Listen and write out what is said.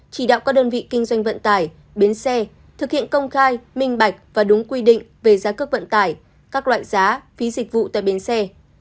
chỉ đạo các đơn vị kinh doanh vận tải bến xe thực hiện công khai minh bạch và đúng quy định về giá cước vận tải các loại giá phí dịch vụ tại bến xe